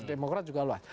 demokrat juga luas